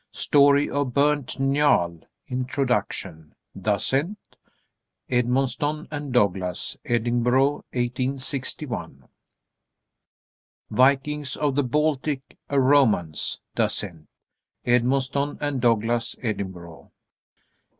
_ "Story of Burnt Njal" (Introduction), Dasent. Edmonston & Douglas, Edinburgh, 1861. "Vikings of the Baltic, a romance;" Dasent. _Edmonston & Douglas, Edinburgh.